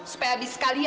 supaya habis sekali aja